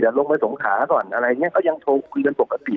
เดี๋ยวลงไปสงขาก่อนอะไรอย่างเงี้ยเขายังคุยกันปกติ